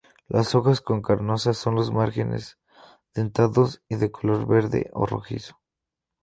Las hojas con carnosas con los márgenes dentados y de color verde o rojizo.